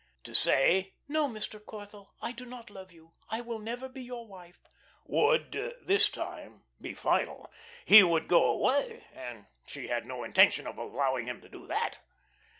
To say: "No, Mr. Corthell, I do not love you, I will never be your wife," would this time be final. He would go away, and she had no intention of allowing him to do that.